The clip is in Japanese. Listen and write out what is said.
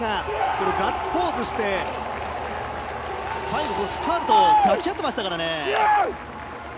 ガッツポーズをしてスタールと抱き合っていましたね。